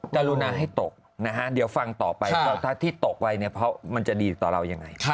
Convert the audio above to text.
กรุณาให้ตกนะฮะเดี๋ยวฟังต่อไปว่าถ้าที่ตกไว้เนี่ยเพราะมันจะดีต่อเรายังไง